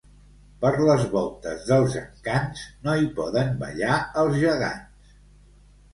Per les voltes dels Encants, no hi poden ballar els gegants.